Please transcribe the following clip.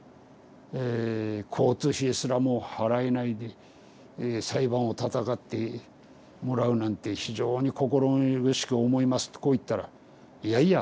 交通費すらも払えないで裁判をたたかってもらうなんて非常に心苦しく思います」ってこう言ったら「いやいや」。